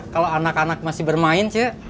kalau anak anak masih bermain sih